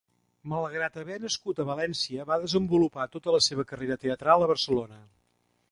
Malgrat haver nascut a València, va desenvolupar tota la seva carrera teatral a Barcelona.